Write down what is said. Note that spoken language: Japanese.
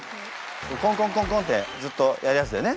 コンコンコンコンってずっとやるやつだよね。